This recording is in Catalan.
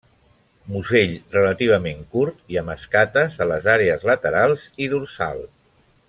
Musell relativament curt i amb escates a les àrees laterals i dorsal.